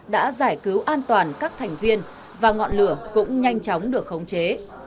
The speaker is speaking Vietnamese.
đã giải cứu an toàn các thành viên và ngọn lửa cũng nhanh chóng được khống chế